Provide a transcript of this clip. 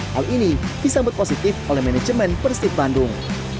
hal ini disambut positif oleh manajemen persib bandung